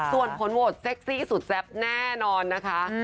ส่วนผลโหวตเซ็กซี่สุดแซ่บแน่นอนนะคะ